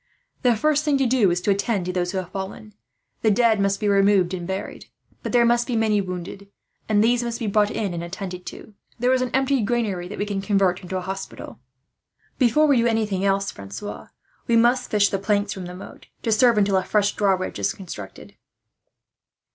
"The first thing to do is to attend to those who have fallen. The dead must be removed and buried; but there must be many wounded, and these must be brought in and attended to. There is an empty granary that we will convert into a hospital." "Before we do anything else, Francois, we must fish the planks from the moat, to serve until a fresh drawbridge is constructed.